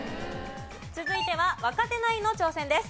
続いては若手ナインの挑戦です。